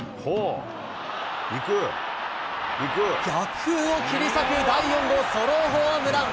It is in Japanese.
逆風を切り裂く第４号ソロホームラン。